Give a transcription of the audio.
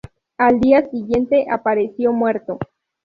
Al día siguiente apareció muerto